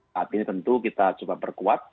tapi tentu kita coba berkuat